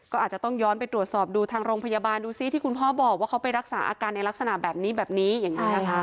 ก็อาจจะต้องย้อนไปตรวจสอบดูทางโรงพยาบาลดูซิที่คุณพ่อบอกว่าเขาไปรักษาอาการในลักษณะแบบนี้แบบนี้อย่างนี้นะคะ